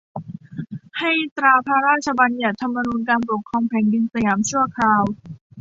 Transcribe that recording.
ให้ตราพระราชบัญญัติธรรมนูญการปกครองแผ่นดินสยามชั่วคราว